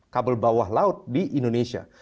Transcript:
kabel bawah laut di indonesia